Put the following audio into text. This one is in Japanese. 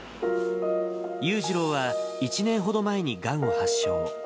ユウジロウは１年ほど前にがんを発症。